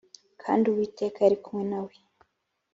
kandi Uwiteka yari kumwe na we.